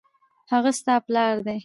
هغه ستا پلار دی